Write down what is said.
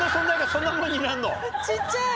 小っちゃい。